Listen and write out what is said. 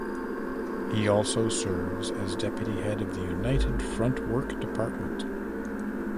He also serves as deputy head of the United Front Work Department.